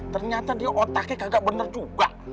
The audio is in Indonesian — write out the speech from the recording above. ternyata dia otaknya kagak benar juga